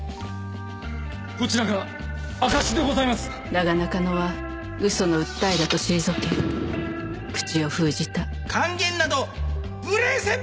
こちらが証しでございますだが中野は嘘の訴えだと退け口を封じた諫言など無礼千万！